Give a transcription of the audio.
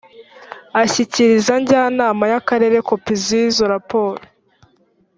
ashyikiriza njyanama y akarere kopi z’izo raporo